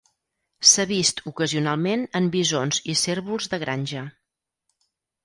S'ha vist ocasionalment en bisons i cérvols de granja.